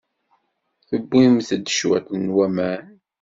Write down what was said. Tewwimt-d cwiṭ n waman.